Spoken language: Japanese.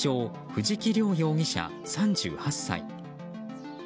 藤木涼容疑者、３８歳。